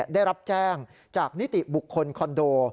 ได้รับแจ้งจากนิติบุคคลคอนโด